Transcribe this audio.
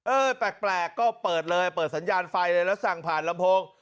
แปลกก็เปิดเลยเปิดสัญญาณไฟเลยแล้วสั่งผ่านลำโพง